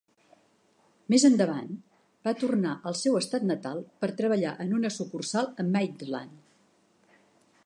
Més endavant va tornar al seu estat natal per treballar en una sucursal a Maitland.